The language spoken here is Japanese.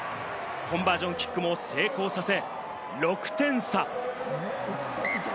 コンバージョンキックも成功させ、６点差。